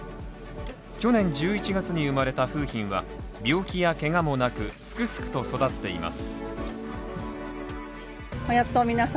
去年１１月に生まれた楓浜は、病気やけがもなく、すくすくと育っています。